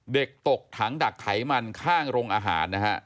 เด็กตกถังดักไขมันข้างโรงอาหารนะฮะ